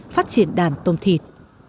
phát triển đàn tôm thịt